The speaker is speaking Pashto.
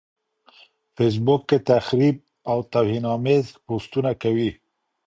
فېس بوک کې تخريب او توهيناميز پوسټونه کوي.